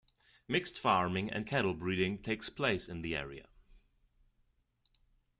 Mixed farming and cattle breeding takes place in the area.